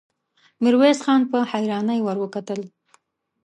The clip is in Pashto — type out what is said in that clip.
ميرويس خان په حيرانۍ ور وکتل.